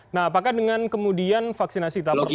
nah apakah dengan kemudian vaksinasi tahap pertama